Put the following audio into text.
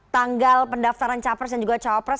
tanggal pendaftaran capres dan juga cawapres